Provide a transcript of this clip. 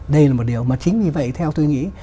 đây là một điều mà chính vì vậy theo tôi nghĩ